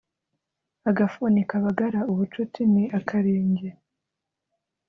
Agafuni kabagara ubucuti ni akarenge.